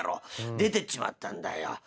出ていっちまったんだよ。